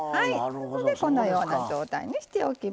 こんなような状態にしておきます。